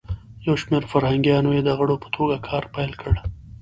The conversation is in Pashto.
یو شمیر فرهنګیانو یی د غړو په توګه کار پیل کړ.